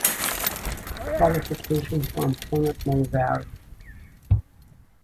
Qualifications for employment may vary.